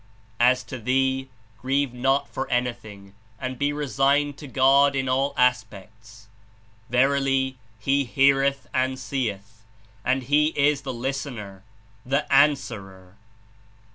As to thee, grieve not for anything, and be resigned to God in all aspects. Ver ily, He heareth and seeth, and He is the Listener, the Answerer!"